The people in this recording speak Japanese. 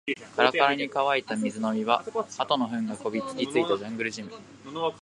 カラカラに乾いた水飲み場、鳩の糞がこびりついたジャングルジム